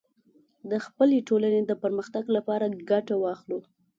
د خپلې ټولنې د پرمختګ لپاره ګټه واخلو